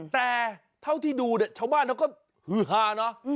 แต่เท่าที่ดูเช้าบ้านก็หื้อหานะ